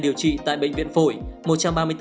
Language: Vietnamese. điều trị tại bệnh viện phổi